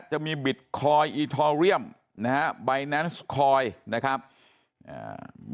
จะมีบิตคอยน์อีทอเรียมนะฮะใบแนนซ์คอยนะครับอ่า